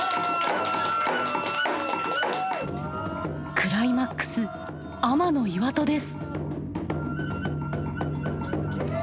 クライマックス天の岩戸です。